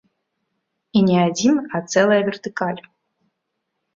І не адзін, а цэлая вертыкаль.